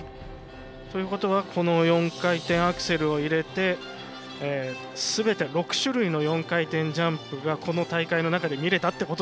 ということはこの４回転アクセルを入れてすべて６種類の４回転ジャンプがこの大会の中で見れたと。